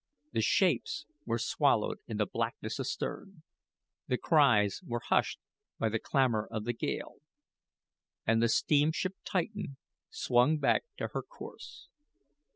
The shapes were swallowed in the blackness astern; the cries were hushed by the clamor of the gale, and the steamship Titan swung back to her course.